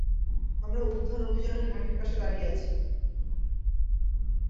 আমরা উদ্ধার অভিযানের ঘাঁটির পাশে দাঁড়িয়ে আছি।